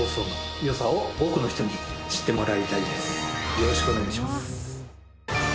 よろしくお願いします。